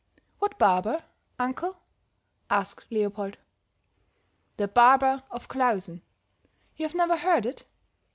"What barber, uncle?" asked Leopold. "The barber of Klausen. You've never heard it?